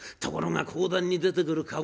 ところが講談に出てくる